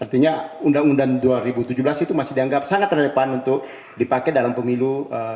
artinya undang undang dua ribu tujuh belas itu masih dianggap sangat relevan untuk dipakai dalam pemilu dua ribu sembilan belas